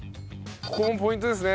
ここもポイントですね。